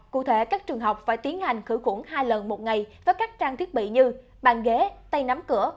cụ thể các trường học phải tiến hành khử khuẩn hai lần một ngày với các trang thiết bị như bàn ghế tay nắm cửa